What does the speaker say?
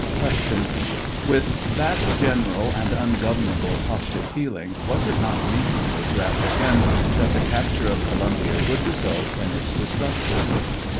Q. With that general and ungovernable hostile feel ing, was it not reasonable to apprehend that the cap ture of Columbia would result in its destruction